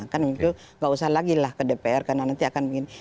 kan itu nggak usah lagi lah ke dpr karena nanti akan begini